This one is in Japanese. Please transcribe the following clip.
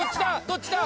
どっちだ？